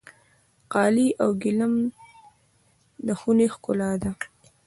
قالي او ګلیم د خونې ښکلا ده.